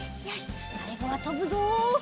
さいごはとぶぞ！